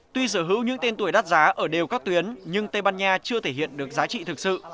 tuy sở hữu những tên tuổi đắt giá ở đều các tuyến nhưng tây ban nha chưa thể hiện được giá trị thực sự